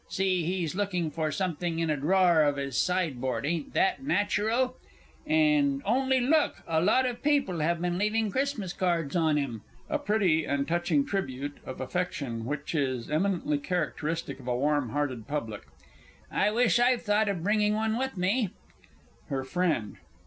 See, he's lookin' for something in a drawer of his side board ain't that natural? And only look a lot of people have been leaving Christmas cards on him (a pretty and touching tribute of affection, which is eminently characteristic of a warm hearted Public). I wish I'd thought o' bringing one with me! HER FRIEND.